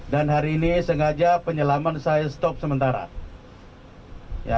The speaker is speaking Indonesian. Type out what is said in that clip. dan hari ini sengaja penyelaman saya stop sementara